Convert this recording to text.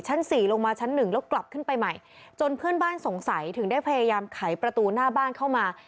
สี่ลงมาชั้นหนึ่งแล้วกลับขึ้นไปใหม่จนเพื่อนบ้านสงสัยถึงได้พยายามไขประตูหน้าบ้านเข้ามา